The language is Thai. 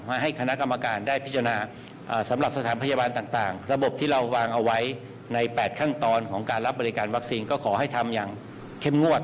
มาให้คณะกรรมการได้พิจารณาสำหรับสถานพยาบาลต่าง